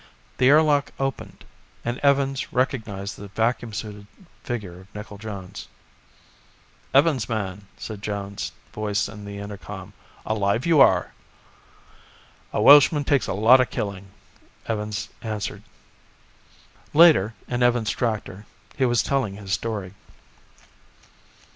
The air lock opened, and Evans recognized the vacuum suited figure of Nickel Jones. "Evans, man!" said Jones' voice in the intercom. "Alive you are!" "A Welshman takes a lot of killing," Evans answered. Later, in Evans' tractor, he was telling his story